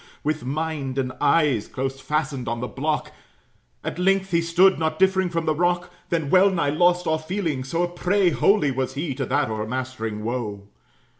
With mind and eyes close fastened on the block, At length he stood, not differing from the rock. Then well nigh lost all feeling; so a prey Wholly was he to that o'ermastering woe.